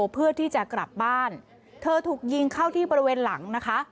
เพื่อที่จะกลับบ้านเธอถูกยิงเข้าที่บริเวณหลังนะคะ